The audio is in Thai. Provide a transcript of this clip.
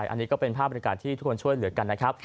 อันนี้ก็เป็นภาพบริการที่ทุกคนช่วยเหลือกันนะครับ